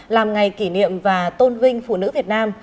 làm ngày kỷ niệm và tôn vinh phụ nữ việt nam